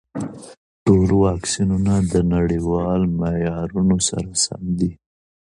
ټول واکسینونه د نړیوال معیارونو سره سم دي.